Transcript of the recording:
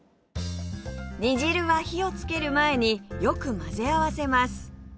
煮汁は火をつける前によく混ぜ合わせます